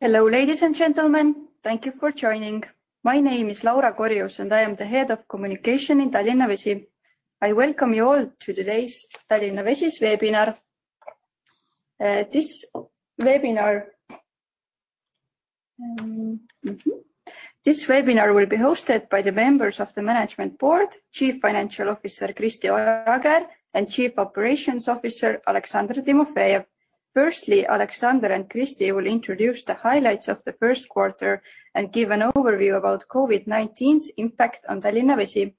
Hello, ladies and gentlemen. Thank you for joining. My name is Laura Korjus and I am the head of communication in Tallinna Vesi. I welcome you all to today's Tallinna Vesi webinar. This webinar will be hosted by the members of the management board, Chief Financial Officer, Kristi Ojala, and Chief Operations Officer, Aleksandr Timofejev. Firstly, Aleksandr and Kristi will introduce the highlights of the first quarter and give an overview about COVID-19's impact on Tallinna Vesi.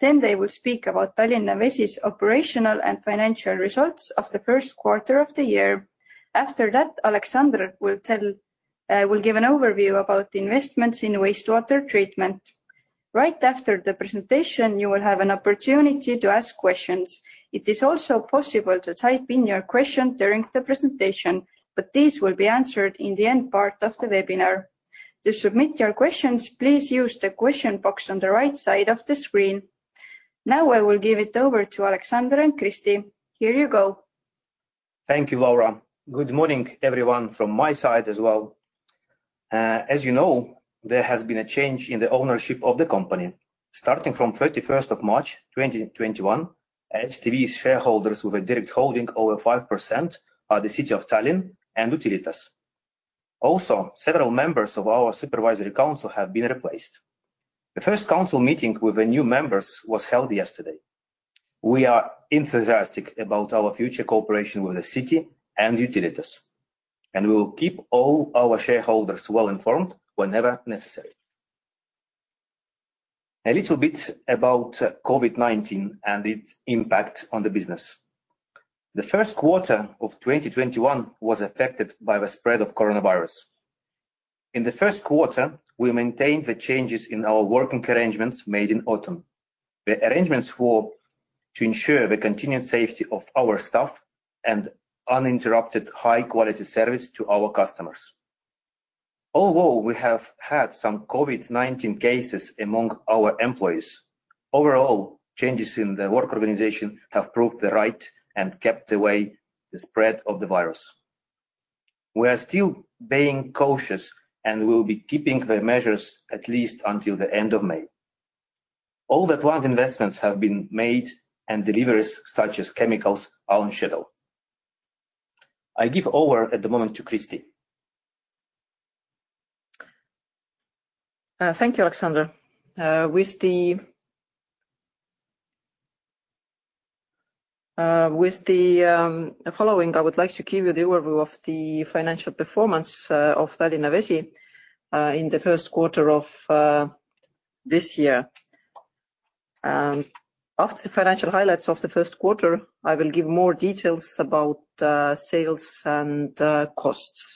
They will speak about Tallinna Vesi's operational and financial results of the first quarter of the year. After that, Aleksandr will give an overview about investments in wastewater treatment. Right after the presentation, you will have an opportunity to ask questions. It is also possible to type in your question during the presentation, these will be answered in the end part of the webinar. To submit your questions, please use the question box on the right side of the screen. Now I will give it over to Aleksandr and Kristi. Here you go. Thank you, Laura. Good morning, everyone from my side as well. As you know, there has been a change in the ownership of the company. Starting from 31st of March 2021, Tallinna Vesi shareholders with a direct holding over 5% are the City of Tallinn and Utilitas. Also, several members of our supervisory council have been replaced. The first council meeting with the new members was held yesterday. We are enthusiastic about our future cooperation with the city and Utilitas, and we will keep all our shareholders well-informed whenever necessary. A little bit about COVID-19 and its impact on the business. The first quarter of 2021 was affected by the spread of coronavirus. In the first quarter, we maintained the changes in our working arrangements made in autumn. The arrangements were to ensure the continued safety of our staff and uninterrupted high-quality service to our customers. We have had some COVID-19 cases among our employees, overall changes in the work organization have proved the right and kept away the spread of the virus. We are still being cautious and will be keeping the measures at least until the end of May. All the planned investments have been made and deliveries such as chemicals are on schedule. I give over at the moment to Kristi. Thank you, Aleksandr. With the following, I would like to give you the overview of the financial performance of Tallinna Vesi in the first quarter of this year. After the financial highlights of the first quarter, I will give more details about sales and costs.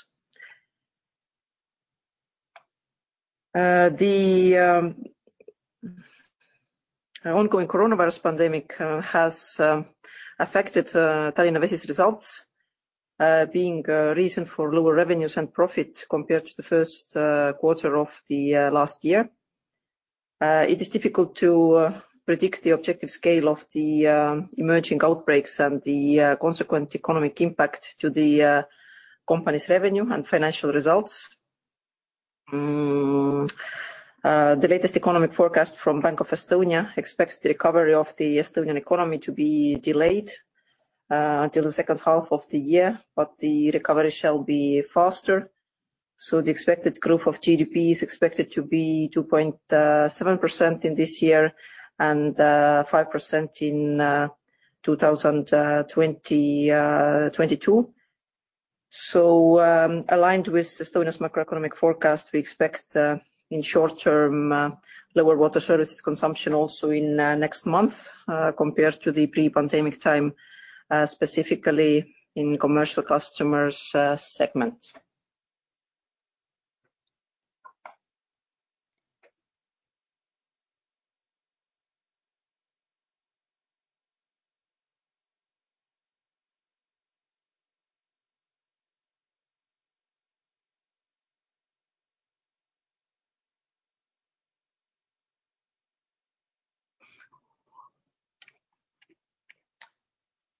The ongoing coronavirus pandemic has affected Tallinna Vesi's results, being reason for lower revenues and profit compared to the first quarter of the last year. It is difficult to predict the objective scale of the emerging outbreaks and the consequent economic impact to the company's revenue and financial results. The latest economic forecast from Bank of Estonia expects the recovery of the Estonian economy to be delayed until the second half of the year, but the recovery shall be faster. The expected growth of GDP is expected to be 2.7% in this year and 5% in 2022. Aligned with Estonia's macroeconomic forecast, we expect in short term, lower water services consumption also in next month, compared to the pre-pandemic time, specifically in commercial customers segment.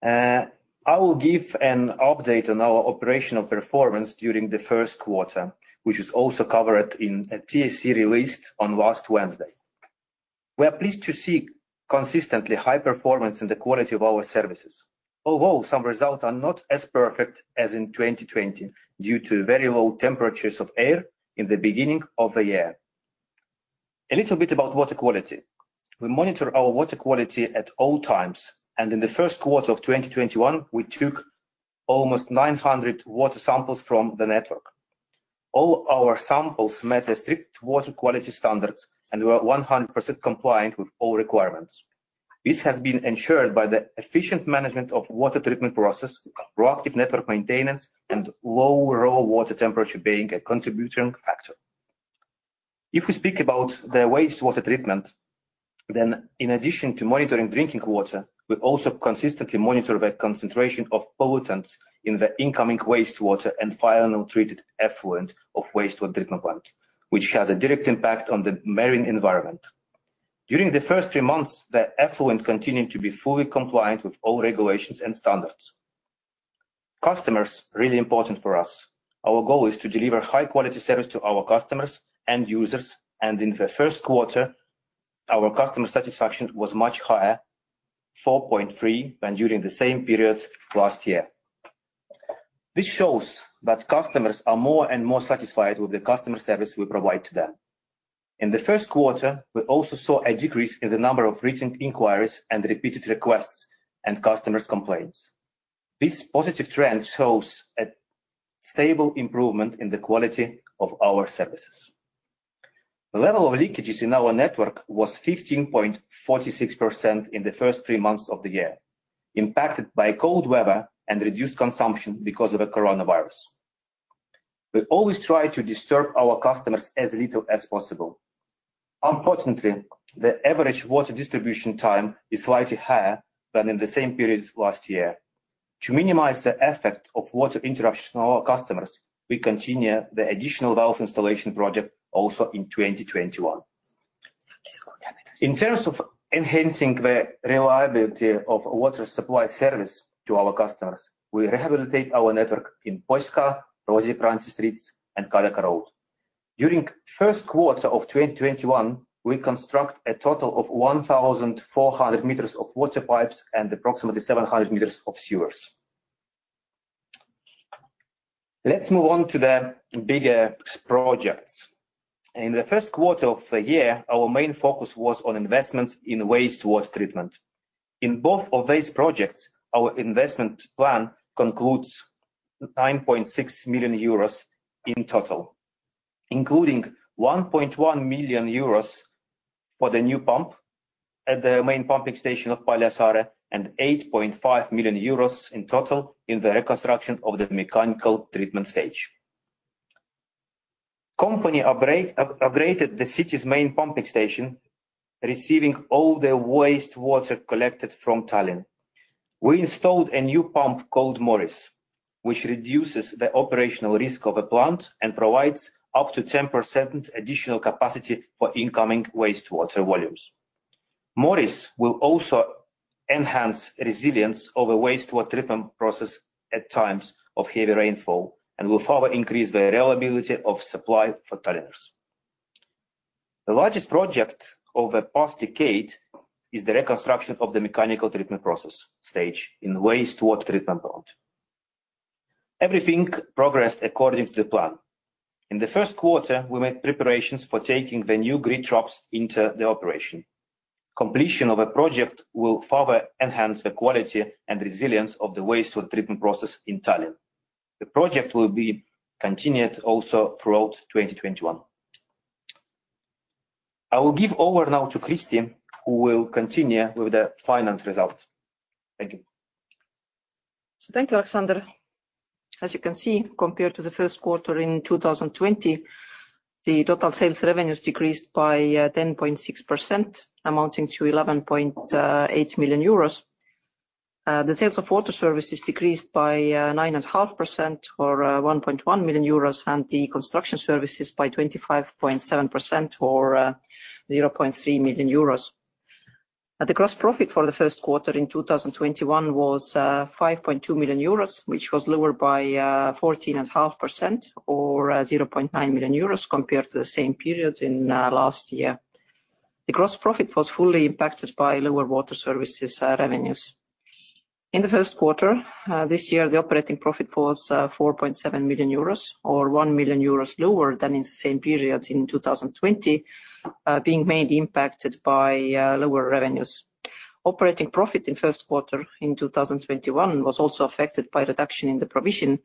I will give an update on our operational performance during the first quarter, which is also covered in a TAC released on last Wednesday. We are pleased to see consistently high performance in the quality of our services. Although some results are not as perfect as in 2020 due to very low temperatures of air in the beginning of the year. A little bit about water quality. We monitor our water quality at all times, and in the first quarter of 2021, we took almost 900 water samples from the network. All our samples met the strict water quality standards and were 100% compliant with all requirements. This has been ensured by the efficient management of water treatment process, proactive network maintenance, and low raw water temperature being a contributing factor. If we speak about the wastewater treatment, then in addition to monitoring drinking water, we also consistently monitor the concentration of pollutants in the incoming wastewater and final treated effluent of wastewater treatment plant, which has a direct impact on the marine environment. During the first three months, the effluent continued to be fully compliant with all regulations and standards. Customers, really important for us. Our goal is to deliver high-quality service to our customers and users, and in the first quarter, our customer satisfaction was much higher, 4.3, than during the same period last year. This shows that customers are more and more satisfied with the customer service we provide to them. In the first quarter, we also saw a decrease in the number of written inquiries and repeated requests and customers' complaints. This positive trend shows a stable improvement in the quality of our services. The level of leakages in our network was 15.46% in the first three months of the year, impacted by cold weather and reduced consumption because of the coronavirus. We always try to disturb our customers as little as possible. Unfortunately, the average water distribution time is slightly higher than in the same period last year. To minimize the effect of water interruption to our customers, we continue the additional valve installation project also in 2021. In terms of enhancing the reliability of water supply service to our customers, we rehabilitate our network in Poska, Roosi, Prantsuse streets, and Kadaka tee. During first quarter of 2021, we construct a total of 1,400 meters of water pipes and approximately 700 meters of sewers. Let's move on to the bigger projects. In the first quarter of the year, our main focus was on investments in wastewater treatment. In both of these projects, our investment plan concludes 9.6 million euros in total, including 1.1 million euros for the new pump at the main pumping station of Paljassaare, and 8.5 million euros in total in the reconstruction of the mechanical treatment stage. Company upgraded the city's main pumping station, receiving all the wastewater collected from Tallinn. We installed a new pump called Morris, which reduces the operational risk of a plant and provides up to 10% additional capacity for incoming wastewater volumes. Morris will also enhance resilience of the wastewater treatment process at times of heavy rainfall and will further increase the reliability of supply for Tallinner. The largest project over past decade is the reconstruction of the mechanical treatment process stage in wastewater treatment plant. Everything progressed according to the plan. In the first quarter, we made preparations for taking the new grit traps into the operation. Completion of a project will further enhance the quality and resilience of the wastewater treatment process in Tallinn. The project will be continued also throughout 2021. I will give over now to Kristi, who will continue with the finance results. Thank you. Thank you, Aleksandr. As you can see, compared to the first quarter in 2020, the total sales revenues decreased by 10.6%, amounting to 11.8 million euros. The sales of water services decreased by 9.5% or 1.1 million euros, and the construction services by 25.7% or 0.3 million euros. The gross profit for the first quarter in 2021 was 5.2 million euros, which was lower by 14.5% or 0.9 million euros compared to the same period in last year. The gross profit was fully impacted by lower water services revenues. In the first quarter this year, the operating profit was 4.7 million euros, or 1 million euros lower than in the same period in 2020, being mainly impacted by lower revenues. Operating profit in first quarter in 2021 was also affected by reduction in the provision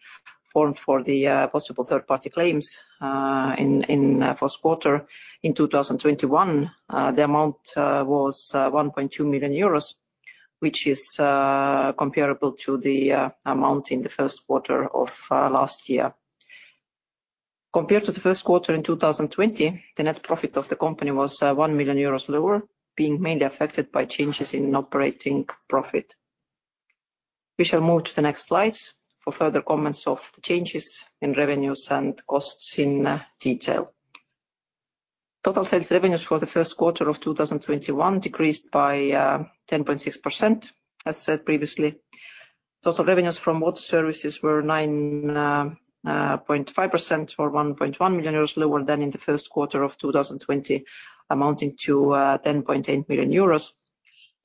formed for the possible third-party claims in first quarter. In 2021, the amount was 1.2 million euros, which is comparable to the amount in the first quarter of last year. Compared to the first quarter in 2020, the net profit of the company was 1 million euros lower, being mainly affected by changes in operating profit. We shall move to the next slides for further comments of the changes in revenues and costs in detail. Total sales revenues for the first quarter of 2021 decreased by 10.6%, as said previously. Total revenues from water services were 9.5%, or 1.1 million euros lower than in the first quarter of 2020, amounting to 10.8 million euros.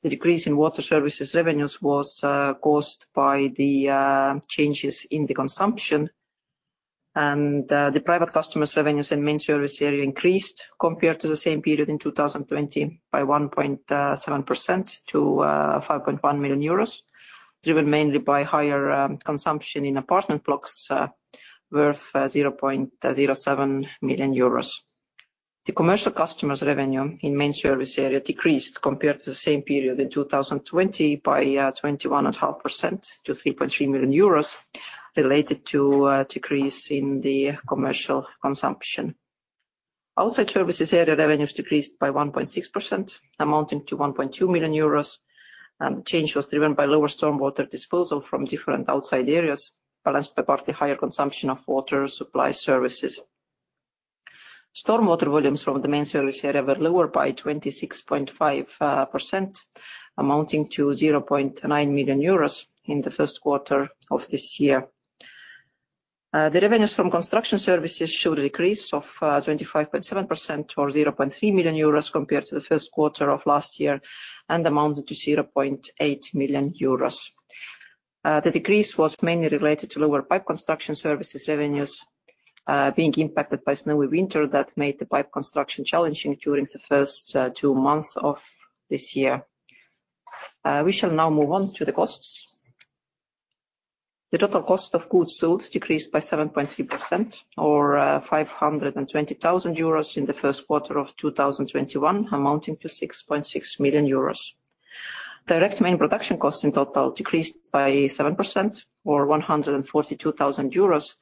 The decrease in water services revenues was caused by the changes in the consumption and the private customers' revenues in main service area increased compared to the same period in 2020 by 1.7% to 5.1 million euros, driven mainly by higher consumption in apartment blocks, worth 0.07 million euros. The commercial customers' revenue in main service area decreased compared to the same period in 2020 by 21.5% to 3.3 million euros related to a decrease in the commercial consumption. Outside services area revenues decreased by 1.6%, amounting to 1.2 million euros. The change was driven by lower stormwater disposal from different outside areas, balanced by partly higher consumption of water supply services. Stormwater volumes from the main service area were lower by 26.5%, amounting to 0.9 million euros in the first quarter of this year. The revenues from construction services showed a decrease of 25.7%, or 0.3 million euros compared to the first quarter of last year, and amounted to 0.8 million euros. The decrease was mainly related to lower pipe construction services revenues being impacted by snowy winter that made the pipe construction challenging during the first two months of this year. We shall now move on to the costs. The total cost of goods sold decreased by 7.3%, or 520,000 euros in the first quarter of 2021, amounting to 6.6 million euros. Direct main production costs in total decreased by 7%, or 142,000 euros,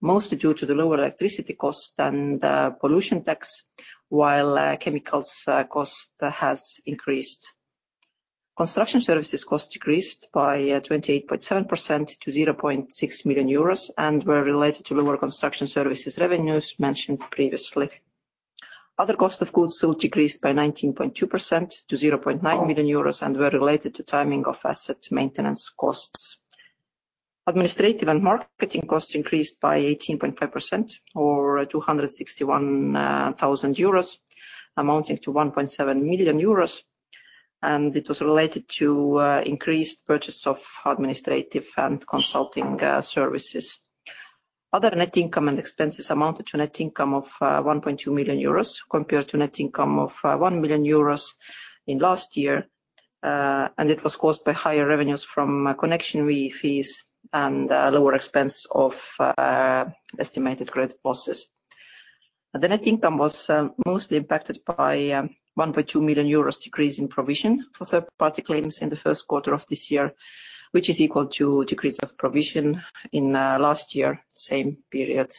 mostly due to the lower electricity cost and pollution tax, while chemicals cost has increased. Construction services cost decreased by 28.7% to 0.6 million euros and were related to lower construction services revenues mentioned previously. Other cost of goods sold decreased by 19.2% to 0.9 million euros and were related to timing of asset maintenance costs. Administrative and marketing costs increased by 18.5%, or 261,000 euros, amounting to 1.7 million euros, it was related to increased purchase of administrative and consulting services. Other net income and expenses amounted to net income of 1.2 million euros compared to net income of 1 million euros in last year, it was caused by higher revenues from connectionary fees and lower expense of estimated credit losses. The net income was mostly impacted by 1.2 million euros decrease in provision for third-party claims in the first quarter of this year, which is equal to decrease of provision in last year, same period.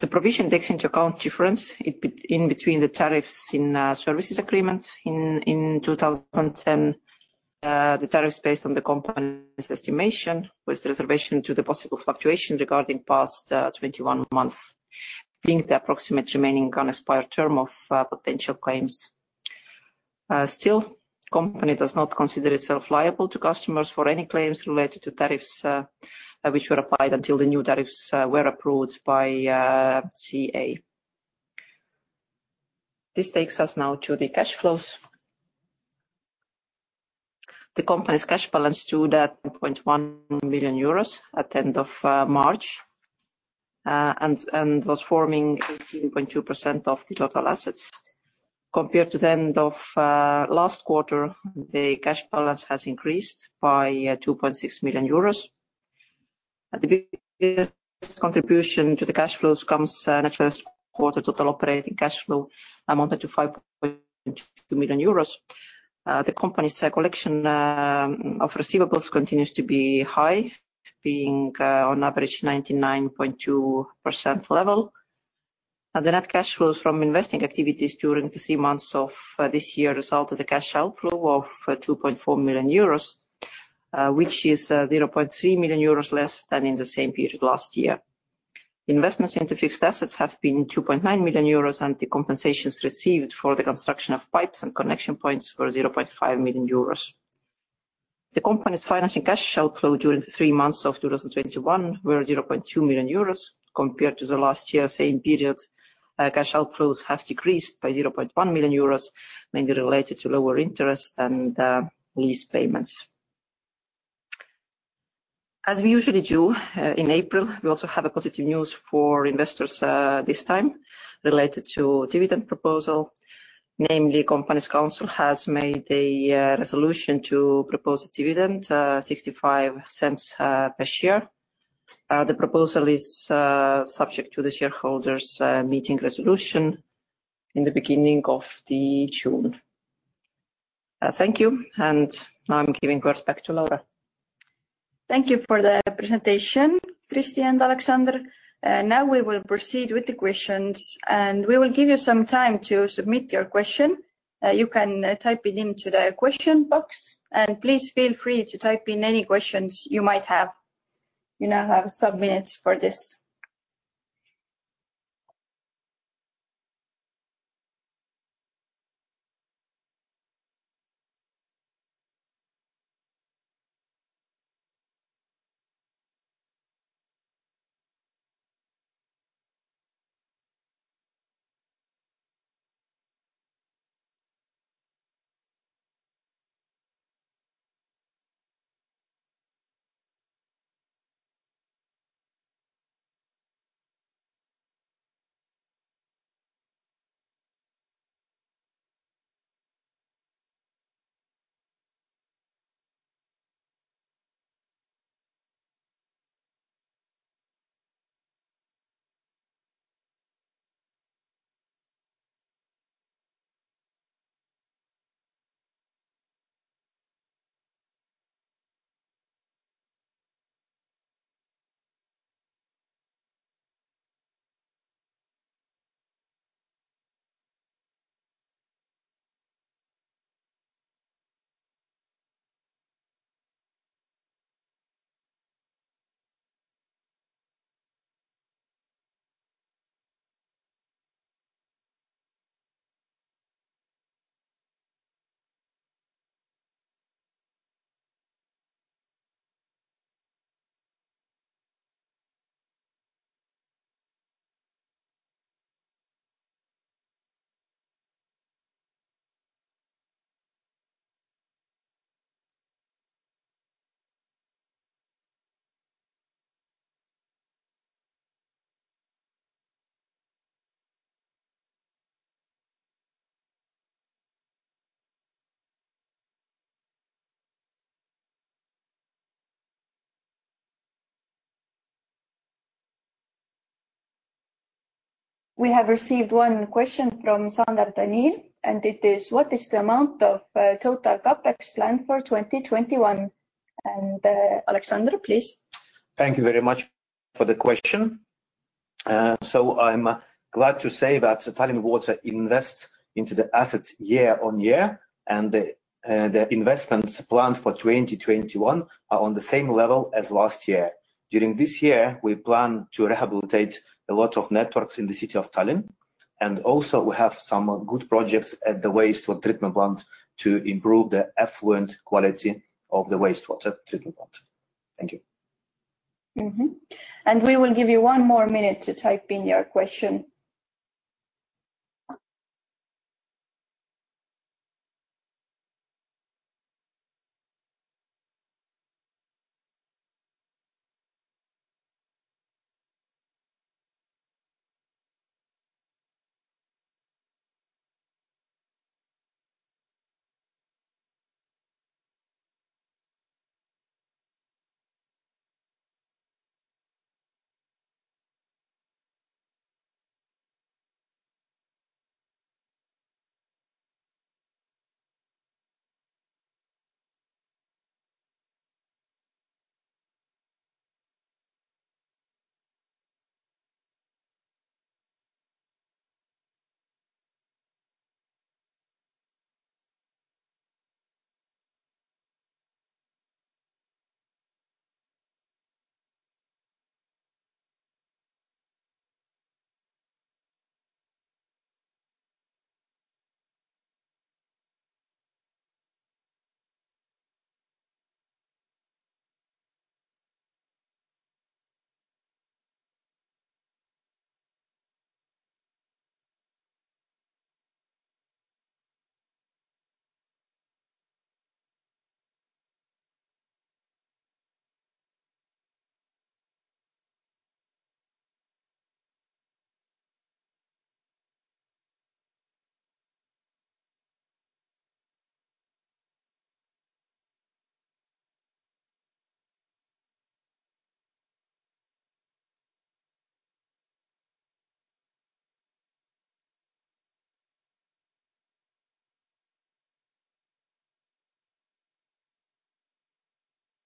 The provision takes into account difference in between the tariffs in services agreements. In 2010, the tariffs based on the company's estimation, with reservation to the possible fluctuation regarding past 21 months, being the approximate remaining unexpired term of potential claims. Still, company does not consider itself liable to customers for any claims related to tariffs which were applied until the new tariffs were approved by CA. This takes us now to the cash flows. The company's cash balance stood at 2.1 million euros at the end of March, and was forming 18.2% of the total assets. Compared to the end of last quarter, the cash balance has increased by 2.6 million euros. The biggest contribution to the cash flows comes in the first quarter total operating cash flow amounted to 5.2 million euros. The company's collection of receivables continues to be high, being on average 99.2% level. The net cash flows from investing activities during the three months of this year result of the cash outflow of 2.4 million euros, which is 0.3 million euros less than in the same period last year. Investments into fixed assets have been 2.9 million euros, and the compensations received for the construction of pipes and connection points were 0.5 million euros. The company's financing cash outflow during the three months of 2021 were 0.2 million euros, compared to the last year same period. Cash outflows have decreased by 0.1 million euros, mainly related to lower interest and lease payments. As we usually do in April, we also have a positive news for investors, this time related to dividend proposal. Namely, company's council has made a resolution to propose a dividend, 0.65 per share. The proposal is subject to the shareholders' meeting resolution in the beginning of the June. Thank you. Now I'm giving words back to Laura. Thank you for the presentation, Kristi and Alexandr. We will proceed with the questions, we will give you some time to submit your question. You can type it into the question box, please feel free to type in any questions you might have. You now have some minutes for this. We have received one question from Sander Danil, and it is: What is the amount of total CapEx plan for 2021? Aleksandr, please. Thank you very much for the question. I'm glad to say that Tallinna Vesi invest into the assets year on year, and the investments planned for 2021 are on the same level as last year. During this year, we plan to rehabilitate a lot of networks in the city of Tallinn, and also we have some good projects at the wastewater treatment plant to improve the effluent quality of the wastewater treatment plant. Thank you. Mm-hmm. We will give you one more minute to type in your question.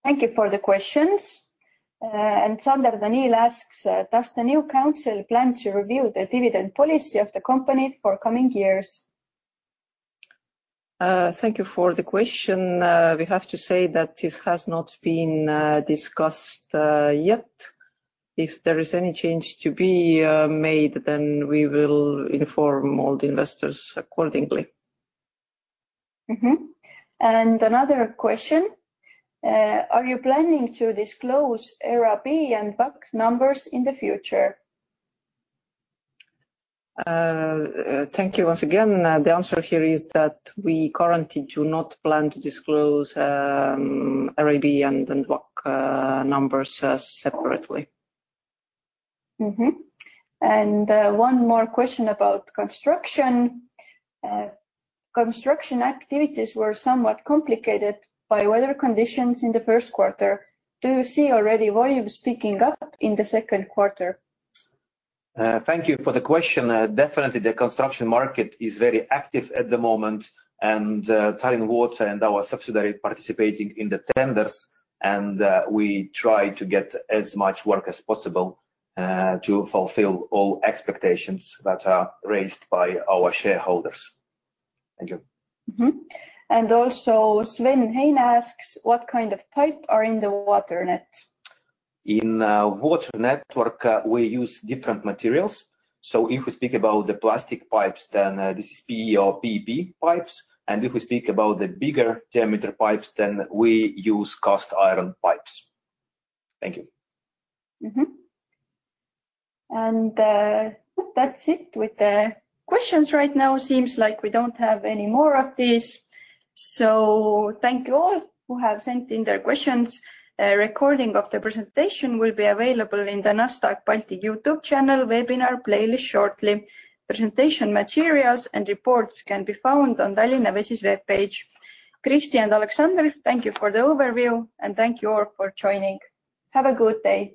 Thank you for the questions. Sander Daniil asks, "Does the new council plan to review the dividend policy of the company for coming years? Thank you for the question. We have to say that this has not been discussed yet. If there is any change to be made, we will inform all the investors accordingly. Mm-hmm. Another question, "Are you planning to disclose RAB and WACC numbers in the future? Thank you once again. The answer here is that we currently do not plan to disclose RAB and WACC numbers separately. Mm-hmm. One more question about construction. Construction activities were somewhat complicated by weather conditions in the first quarter. Do you see already volumes picking up in the second quarter? Thank you for the question. Definitely, the construction market is very active at the moment, and Tallinna Vesi and our subsidiary participating in the tenders, and we try to get as much work as possible to fulfill all expectations that are raised by our shareholders. Thank you. Mm-hmm. Also Sven Hein asks, "What kind of pipe are in the water net? In water network, we use different materials. If we speak about the plastic pipes, then this is PE or PP pipes. If we speak about the bigger diameter pipes, then we use cast iron pipes. Thank you. That's it with the questions right now. Seems like we don't have any more of these. Thank you all who have sent in their questions. A recording of the presentation will be available in the Nasdaq Baltic YouTube channel webinar playlist shortly. Presentation materials and reports can be found on Tallinna Vesi's webpage. Kristi and Aleksandr, thank you for the overview, and thank you all for joining. Have a good day